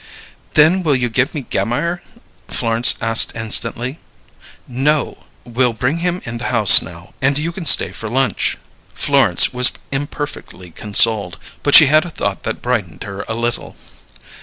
"Then will you give me Gammire?" Florence asked instantly. "No. We'll bring him in the house now, and you can stay for lunch." Florence was imperfectly consoled, but she had a thought that brightened her a little.